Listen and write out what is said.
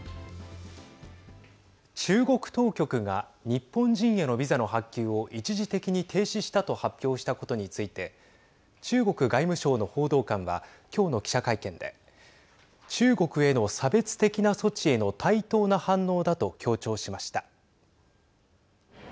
中国当局が日本人へのビザの発給を一時的に停止したと発表したことについて中国外務省の報道官は今日の記者会見で中国への差別的な措置への対等な反応だと強調しました。